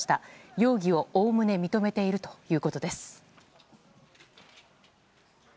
容疑をおおむね認めているということです。